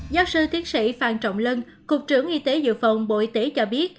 giáo sư tiến sĩ phan trọng lân cục trưởng y tế dự phòng bộ y tế cho biết